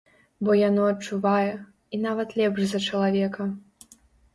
Бо яно адчувае, і нават лепш за чалавека.